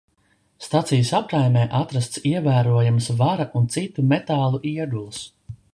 Stacijas apkaimē atrastas ievērojamas vara un citu metālu iegulas.